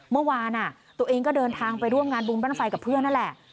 เมื่อวานตัวเองก็เดินทางไปร่วมงานบุญบ้านไฟกับเพื่อนนั่นแหละ